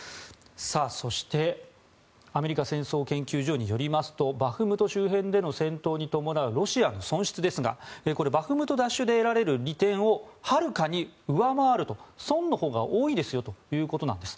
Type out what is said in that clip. そしてアメリカ戦争研究所によりますとバフムト周辺での戦闘に伴うロシアの損失ですがバフムト奪取で得られる利点をはるかに上回る損のほうが多いということです。